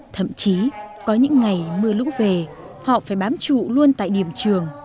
thậm chí có những ngày mưa lũ về họ phải bám trụ luôn tại điểm trường